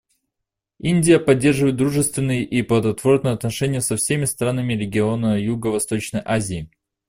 Индия поддерживает дружественные и плодотворные отношения со всеми странами региона Юго-Восточной Азии.